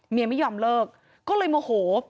ไม่ยอมเลิกก็เลยโมโห